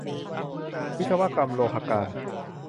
วิศวกรรมโลหการ